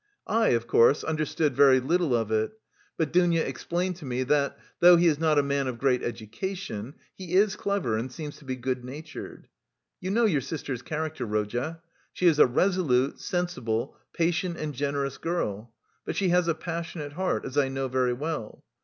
I, of course, understood very little of it, but Dounia explained to me that, though he is not a man of great education, he is clever and seems to be good natured. You know your sister's character, Rodya. She is a resolute, sensible, patient and generous girl, but she has a passionate heart, as I know very well.